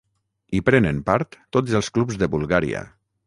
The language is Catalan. Hi prenen part tots els clubs de Bulgària.